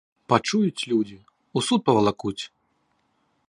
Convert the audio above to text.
Пачуюць людзі, у суд павалакуць!